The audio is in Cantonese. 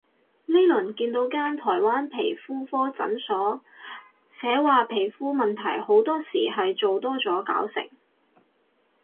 呢輪見到間台灣皮膚科診所，寫話皮膚問題好多時係做多咗搞成